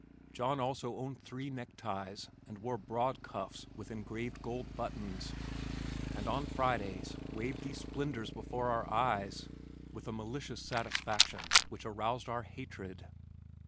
John also owned three neckties, and wore broad cuffs with engraved gold buttons, and on Fridays waved these splendors before our eyes with a malicious satisfaction which aroused our hatred.